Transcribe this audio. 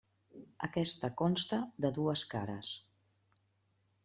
Aquesta consta de dues cares.